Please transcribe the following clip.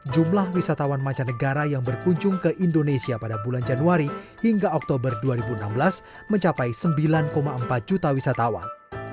jumlah wisatawan mancanegara yang berkunjung ke indonesia pada bulan januari hingga oktober dua ribu enam belas mencapai sembilan empat juta wisatawan